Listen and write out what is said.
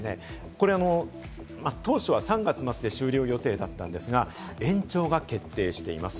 これ当初は３月末で終了予定だったんですが、延長が決定しています。